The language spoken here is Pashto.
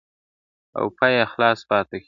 • او پای يې خلاص پاته کيږي..